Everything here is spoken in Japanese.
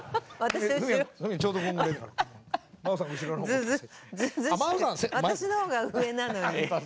私の方が上なのに。